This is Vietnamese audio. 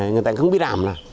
người ta không biết làm là